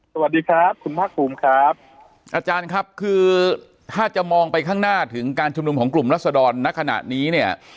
สวัสดีครับคุณภาคภูมิครับอาจารย์ครับคือถ้าจะมองไปข้างหน้าถึงการชุมนุมของกลุ่มรัศดรณขณะนี้เนี่ย